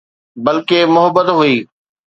بلڪه محبت هئي